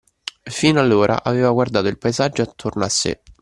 Fino allora aveva guardato il paesaggio attorno a sé.